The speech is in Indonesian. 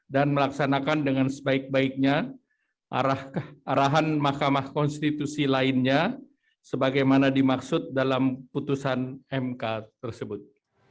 dan melaksanakan dengan sebaik baiknya arahan mahkamah konstitusi lainnya sebagaimana dimaksud dalam putusan mk tersebut